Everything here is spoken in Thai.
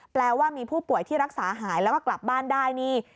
แปลว่ามีผู้ป่วยที่รักษาหายแล้วก็กลับบ้านได้นี่